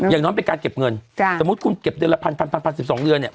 อย่างน้อยเป็นการเก็บเงินสมมุติคุณเก็บเดือนละพันพันสิบสองเดือนเนี่ย